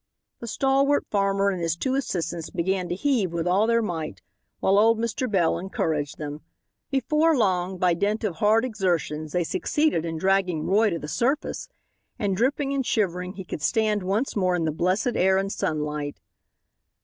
The stalwart farmer and his two assistants began to heave with all their might, while old Mr. Bell encouraged them. Before long, by dint of hard exertions, they succeeded in dragging Roy to the surface, and dripping and shivering he could stand once more in the blessed air and sunlight.